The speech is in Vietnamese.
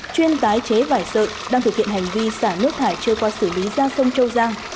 chuyên tái chế vải sợi đang thực hiện hành vi xả nước thải chưa qua xử lý ra sông châu giang